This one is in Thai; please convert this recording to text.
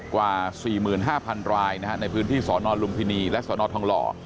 กว่า๔๕๐๐๐รายนะครับในพื้นที่สอนอนลุมพินีและสอนอนทองหล่อ